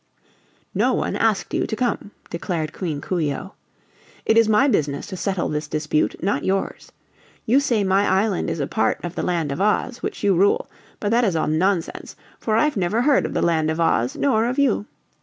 "No one asked you to come," declared Queen Coo ee oh. "It is my business to settle this dispute, not yours. You say my island is a part of the Land of Oz, which you rule, but that is all nonsense, for I've never heard of the Land of Oz, nor of you.